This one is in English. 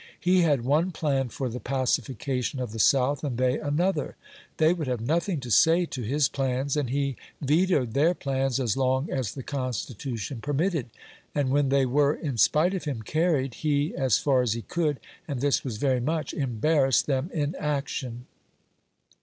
He had one plan for the pacification of the South and they another; they would have nothing to say to his plans, and he vetoed their plans as long as the Constitution permitted, and when they were, in spite of him, carried, he, as far as he could (and this was very much), embarrassed them in action.